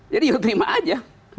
jadi ya terima aja